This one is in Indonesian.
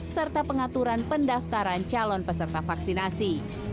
serta pengaturan pendaftaran calon peserta vaksinasi